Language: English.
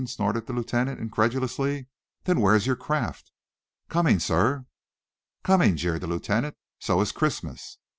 snorted the lieutenant, incredulously. "Then where is your craft!" "Coming, sir." "Coming?" jeered the lieutenant "So is Christmas!"